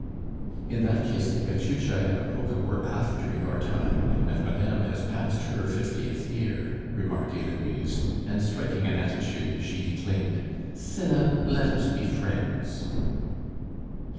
"In that case the cachucha and the polka were after your time; and madame has passed her fiftieth year," remarked Heloise, and striking an attitude, she declaimed, "'Cinna, let us be friends.